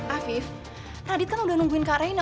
afif radit kan udah nungguin kak arena